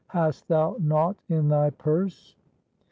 Hast thou nought in thy purse?"